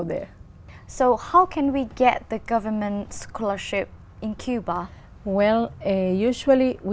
trong một chiếc tàu